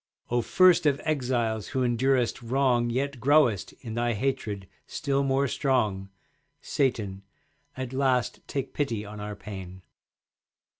O first of exiles who endurest wrong, Yet growest, in thy hatred, still more strong, Satan, at last take pity on our pain!